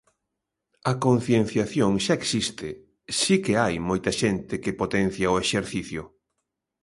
A concienciación xa existe, si que hai moita xente que potencia o exercicio.